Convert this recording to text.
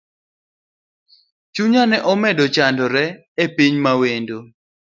Chunya ne omedo chandore epiny mawendo.